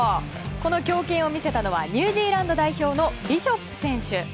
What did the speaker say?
この強肩を見せたのはニュージーランド代表のビショップ選手。